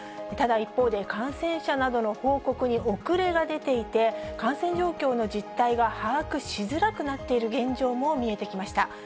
ただ、一方で感染者などの報告に遅れが出ていて、感染状況の実態が把握しづらくなっている現状も見えてきました。